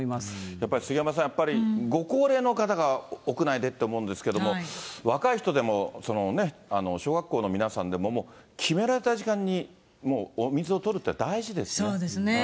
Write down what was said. やっぱり杉山さん、やっぱりご高齢の方が屋内でって思うんですけれども、若い人でも、小学校の皆さんでも決められた時間にもうお水をとるって大事ですそうですね。